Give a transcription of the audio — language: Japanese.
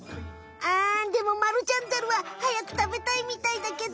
あでもまるちゃんザルははやくたべたいみたいだけど。